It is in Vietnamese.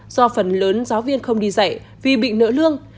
do phần lớn giáo viên không đi dạy vì bị nợ lương